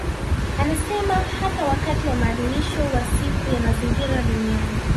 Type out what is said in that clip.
Anasema hata wakati wa maadhimisho wa Siku ya Mazingira Duniani